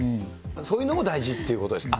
そういうのも大事っていうことですね。